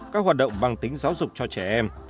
các hoạt động bằng tính giáo dục cho trẻ em